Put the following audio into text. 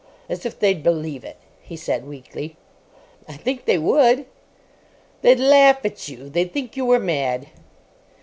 "As if they'd believe it," he said, weakly. "I think they would." "They'd laugh at you. They'd think you were mad."